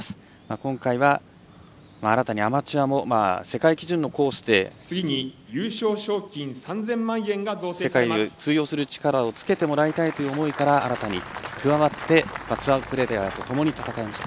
今回は、新たにアマチュアも世界基準のコースで世界で通用する力をつけてもらいたいという思いから新たに加わってツアープレーヤーとともに戦いました。